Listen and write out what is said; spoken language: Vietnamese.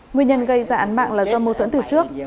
nguyên nhân gây ra án mạng là do mâu thuẫn từ trước